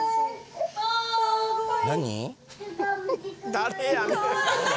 誰やねん。